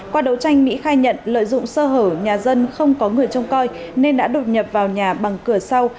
qua đấu tranh mỹ khai nhận lợi dụng sơ hở nhà dân không có người trông coi nên đã đột nhập vào nhà bằng cửa sau